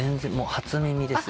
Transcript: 初耳です。